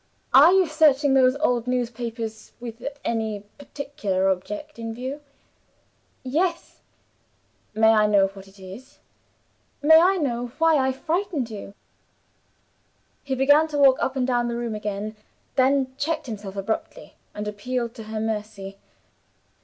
Are you searching those old newspapers with any particular object in view?" "Yes." "May I know what it is?" "May I know why I frightened you?" He began to walk up and down the room again then checked himself abruptly, and appealed to her mercy.